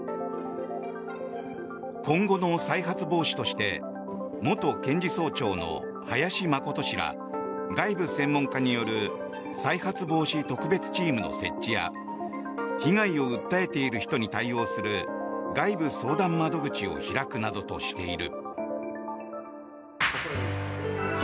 今後の再発防止として元検事総長の林眞琴氏ら外部専門家による再発防止特別チームの設置や被害を訴えている人に対応する外部相談窓口を開くなどとしている。